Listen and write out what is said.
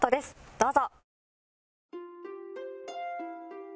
どうぞ。